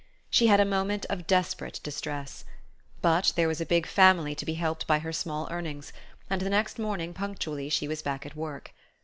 She had a moment of desperate distress; but there was a big family to be helped by her small earnings, and the next morning punctually she was back at work.